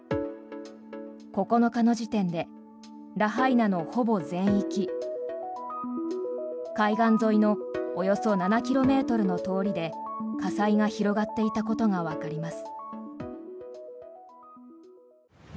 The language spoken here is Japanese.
９日の時点でラハイナのほぼ全域海岸沿いのおよそ７ｋｍの通りで火災が広がっていたことがわかります。